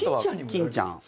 欽ちゃん。